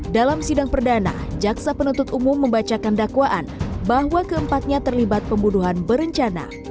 dalam sidang perdana jaksa penuntut umum membacakan dakwaan bahwa keempatnya terlibat pembunuhan berencana